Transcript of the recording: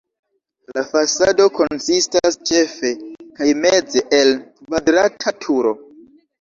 La fasado konsistas ĉefe kaj meze el kvadrata turo.